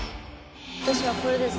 私はこれです。